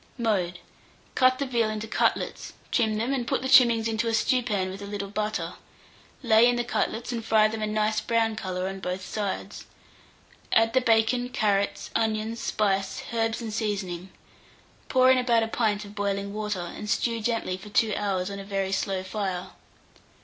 Mode. Cut the veal into cutlets, trim them, and put the trimmings into a stewpan with a little butter; lay in the cutlets and fry them a nice brown colour on both sides. Add the bacon, carrots, onions, spice, herbs, and seasoning; pour in about a pint of boiling water, and stew gently for 2 hours on a very slow fire.